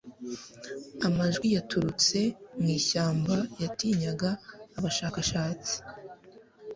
amajwi yaturutse mwishyamba yatinyaga abashakashatsi